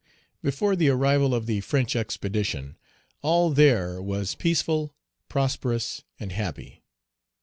Before the arrival of the French expedition, all there was peaceful, prosperous, and happy.